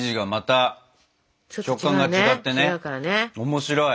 面白い。